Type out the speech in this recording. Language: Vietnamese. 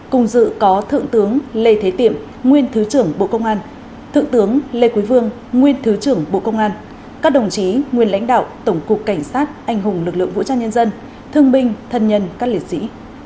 cùng dự có thượng tướng lê thế tiệm nguyên thứ trưởng bộ công an thượng tướng lê quý vương nguyên thứ trưởng bộ công an các đồng chí nguyên lãnh đạo tổng cục cảnh sát anh hùng lực lượng vũ trang nhân dân thương binh thân nhân các liệt sĩ